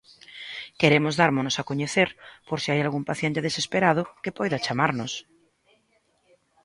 Queremos dármonos a coñecer por se hai algún paciente desesperado, que poida chamarnos.